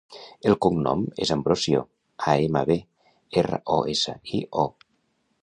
El cognom és Ambrosio: a, ema, be, erra, o, essa, i, o.